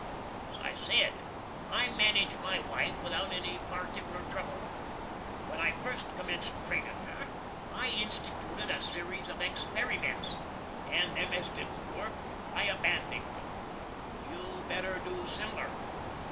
As I sed, I manige my wife without any particler trouble. When I fust commenst trainin' her I institooted a series of experiments, and them as didn't work I abanding'd. You'd better do similer.